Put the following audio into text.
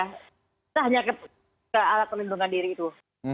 kita hanya ke alat pelindungan diri itu